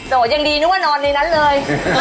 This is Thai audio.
ยังดีนึกว่านอนในนั้นเลย